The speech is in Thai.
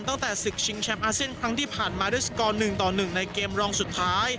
ตั้งแต่ศึกชิงแชมป์อาเซียนครั้งที่ผ่านมาด้วยสกอร์๑ต่อ๑ในเกมรองสุดท้าย